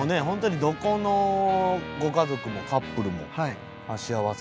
本当にどこのご家族もカップルも幸せで。